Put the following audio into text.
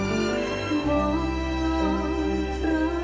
เมื่ออย่างอ่อนมา